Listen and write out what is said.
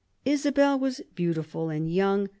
Isabel was beautiful and young.